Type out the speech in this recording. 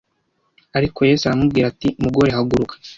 Ariko Yesu aramubwira ati mugore haguruka